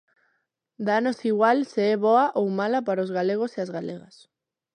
Dános igual se é boa ou mala para os galegos e as galegas.